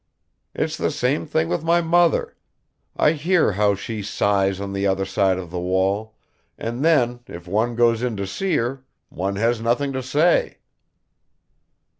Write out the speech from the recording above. It's the same thing with my mother. I hear how she sighs on the other side of the wall, and then if one goes in to see her one has nothing to say."